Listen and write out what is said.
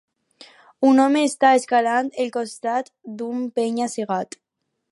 Un home està escalant el costat d'un penya-segat.